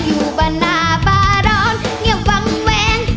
อยู่บ้านหน้าบาร้อนเงียบวังแวง